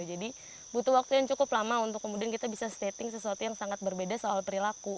jadi butuh waktu yang cukup lama untuk kemudian kita bisa stating sesuatu yang sangat berbeda soal perilaku